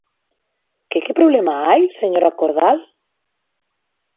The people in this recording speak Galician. ¿Que que problema hai, señora Cordal?